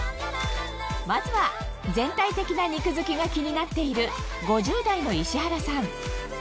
まずは全体的な肉づきが気になっている５０代のイシハラさん